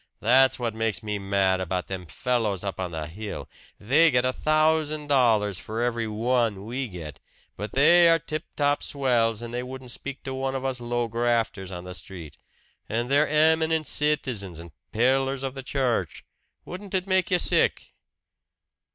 That's what makes me mad about them fellows up on the hill. They get a thousand dollars for every one we get; but they are tip top swells, and they wouldn't speak to one of us low grafters on the street. And they're eminent citizens and pillars of the church wouldn't it make you sick?"